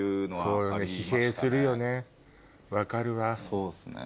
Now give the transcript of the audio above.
そうっすね。